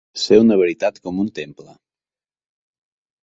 Ser una veritat com un temple.